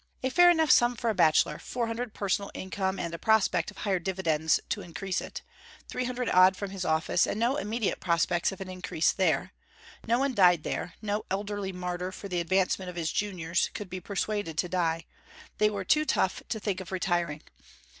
A fair enough sum for a bachelor: four hundred personal income, and a prospect of higher dividends to increase it; three hundred odd from his office, and no immediate prospects of an increase there; no one died there, no elderly martyr for the advancement of his juniors could be persuaded to die; they were too tough to think of retiring.